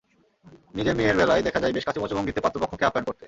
নিজের মেয়ের বেলায় দেখা যায় বেশ কাঁচুমাচু ভঙ্গিতে পাত্রপক্ষকে আপ্যায়ন করতে।